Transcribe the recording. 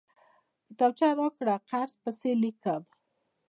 کتابچه راکړه، قرض پسې ليکم!